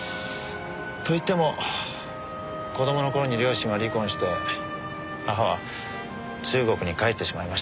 といっても子供の頃に両親は離婚して母は中国に帰ってしまいましたけど。